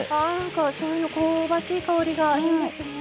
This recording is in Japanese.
しょうゆの香ばしい香りがいいですねえ。